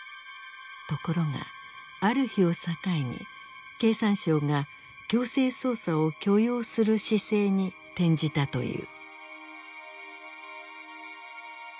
ところがある日を境に経産省が強制捜査を許容する姿勢に転じたという。